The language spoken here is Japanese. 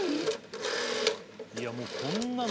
「いやもうこんなの」